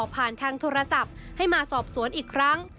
ทางโทรศัพท์ให้มาสอบสวนอีกครั้ง